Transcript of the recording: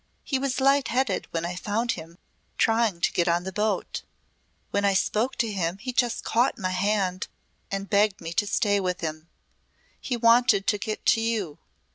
He was light headed when I found him trying to get on the boat. When I spoke to him he just caught my hand and begged me to stay with him. He wanted to get to you.